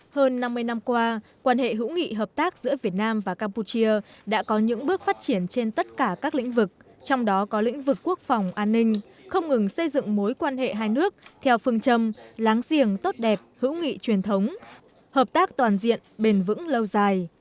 hơn năm mươi năm qua quan hệ hữu nghị hợp tác giữa việt nam và campuchia đã có những bước phát triển trên tất cả các lĩnh vực trong đó có lĩnh vực quốc phòng an ninh không ngừng xây dựng mối quan hệ hai nước theo phương châm láng giềng tốt đẹp hữu nghị truyền thống hợp tác toàn diện bền vững lâu dài